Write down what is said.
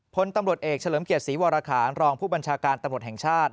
พลตำรวจเอกเฉลิมเกียรติศรีวรคารรองผู้บัญชาการตำรวจแห่งชาติ